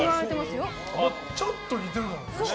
ちょっと似てるかもしれない。